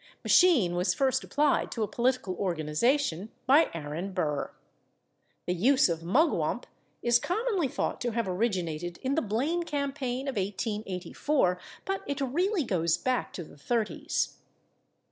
/Machine/ was first applied to a political organization by Aaron Burr. The use of /mugwump/ is commonly thought to have originated in the Blaine campaign of 1884, but it really goes back to the 30's.